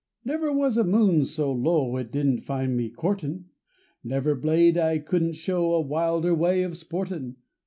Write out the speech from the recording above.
Never was a moon so low it didn't find me courtin', Never blade I couldn't show a wilder way of sportin'.